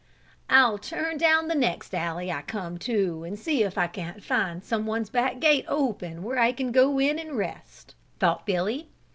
"I'll turn down the next alley I come to and see if I can't find someone's back gate open where I can go in and rest," thought Billy.